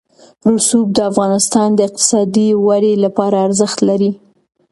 رسوب د افغانستان د اقتصادي ودې لپاره ارزښت لري.